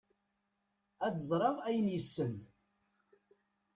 ad ẓreɣ ayen yessen